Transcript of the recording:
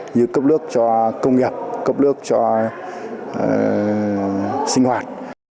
như cấp lước cho công nghiệp cấp lước cho sinh hoạt